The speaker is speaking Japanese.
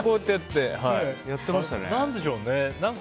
何でしょうね